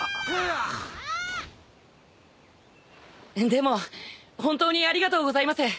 でも本当にありがとうございます。